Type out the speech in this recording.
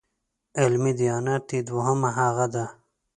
علمي دیانت یې دویمه هغه ده.